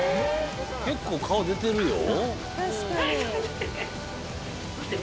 結構顔出てるよ